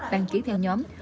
đăng ký theo nhóm